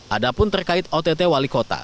ada pun terkait ott wali kota